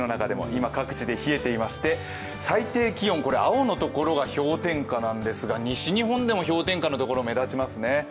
今、各地で冷えていまして最低気温青のところが氷点下なんですが西日本でも氷点下のところが目立ちますね。